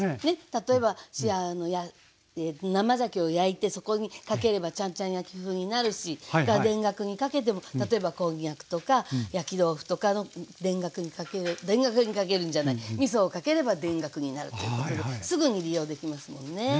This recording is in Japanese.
例えば生ざけを焼いてそこにかければちゃんちゃん焼き風になるし田楽にかけても例えばこんにゃくとか焼き豆腐とか田楽にかける田楽にかけるんじゃないみそをかければ田楽になるということですぐに利用できますもんね。